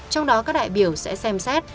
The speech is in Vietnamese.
trong đó các đại biểu sẽ xem xét